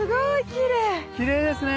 きれいですね。